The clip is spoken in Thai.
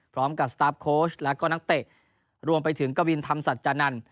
สตาร์ฟโค้ชแล้วก็นักเตะรวมไปถึงกวินธรรมสัจจานันทร์